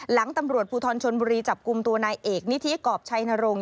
หลังตำรวจภูทรชนบุรีจับกลุ่มตัวนายเอกนิธิกรอบชัยนรงค